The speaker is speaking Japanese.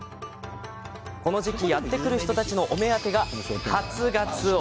この時期、やって来る人たちのお目当てが初がつお。